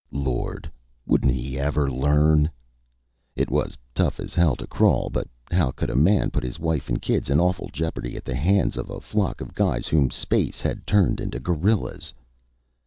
Lord, wouldn't he ever learn? It was tough as hell to crawl, but how could a man put his wife and kids in awful jeopardy at the hands of a flock of guys whom space had turned into gorillas?